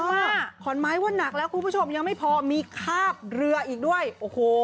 ขอนไม้ว่านักแล้วคุณผู้ชมยังไม่พอมีคาบเรืออีกด้วยโอ้โห